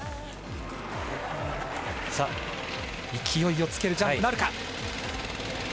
さあ、勢いをつけるジャンプなるか。